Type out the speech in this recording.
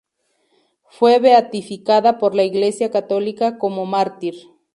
Fue beatificada por la Iglesia Católica como mártir.